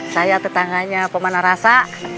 saya tetangganya pemanah rasa